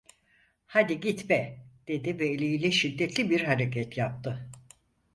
"Hadi git be!" dedi ve eliyle şiddetli bir hareket yaptı.